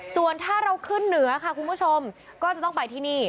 ส่วนถ้าเราขึ้นเหนือค่ะคุณผู้ชมก็จะต้องไปที่นี่